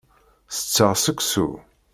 Tetteɣ seksu.